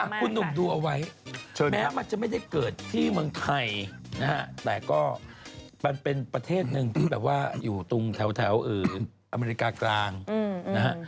คุณหนุ่มดูเอาไว้แม้มันจะไม่ได้เกิดที่เมืองไทยนะฮะแต่ก็มันเป็นประเทศหนึ่งที่แบบว่าอยู่ตรงแถวอเมริกากลางนะฮะ